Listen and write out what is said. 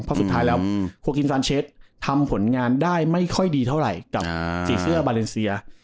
เพราะสุดท้ายแล้วโคกินซานเชสทำผลงานได้ไม่ค่อยดีเท่าไหร่กับสีเสื้อมาเลเซีย